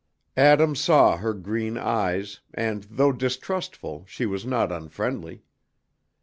Adam saw her green eyes, and though distrustful she was not unfriendly.